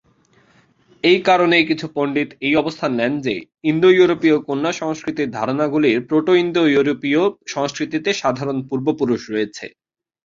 এই কারণেই কিছু পণ্ডিত এই অবস্থান নেন যে ইন্দো-ইউরোপীয় কন্যা সংস্কৃতির ধারণাগুলির প্রোটো-ইন্দো-ইউরোপীয় সংস্কৃতিতে সাধারণ পূর্বপুরুষ রয়েছে।